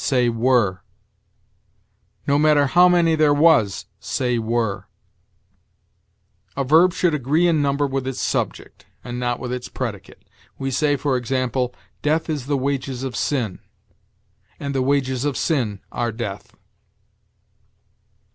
say, were. "No matter how many there was": say, were. A verb should agree in number with its subject, and not with its predicate. We say, for example, "Death is the wages of sin," and "The wages of sin are death."